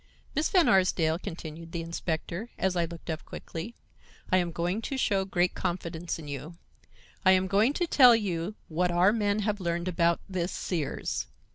"Miss Van Arsdale," continued the inspector, as I looked up quickly, "I am going to show great confidence in you. I am going to tell you what our men have learned about this Sears.